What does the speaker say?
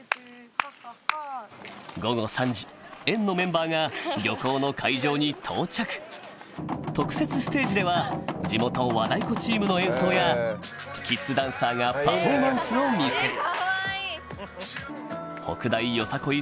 縁のメンバーが漁港の会場に到着特設ステージでは地元和太鼓チームの演奏やキッズダンサーがパフォーマンスを見せる北大ＹＯＳＡＫＯＩ